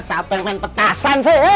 siapa yang main petasan sih